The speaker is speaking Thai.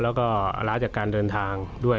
แล้วก็ล้าจากการเดินทางด้วย